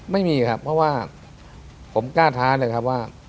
ไม่มีครับเพราะว่าผมกล้าท้าเลยครับว่า